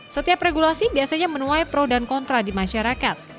setiap regulasi biasanya menuai pro dan kontra di masyarakat